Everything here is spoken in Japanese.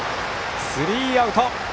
スリーアウト。